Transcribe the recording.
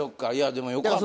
でもよかった。